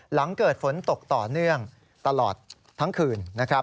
หลังเกิดฝนตกต่อเนื่องตลอดทั้งคืนนะครับ